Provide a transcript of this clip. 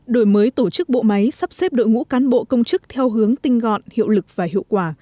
đổi mới tổ chức bộ máy sắp xếp đội ngũ cán bộ công chức theo hướng tinh gọn hiệu lực và hiệu quả